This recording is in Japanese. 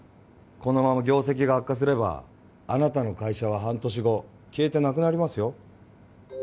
このまま業績が悪化すればあなたの会社は半年後消えてなくなりますよ